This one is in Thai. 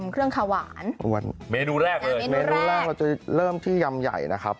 ข้างบัวแห่งสันยินดีต้อนรับทุกท่านนะครับ